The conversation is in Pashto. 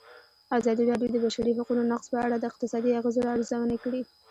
ازادي راډیو د د بشري حقونو نقض په اړه د اقتصادي اغېزو ارزونه کړې.